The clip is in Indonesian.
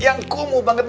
yang kumuh banget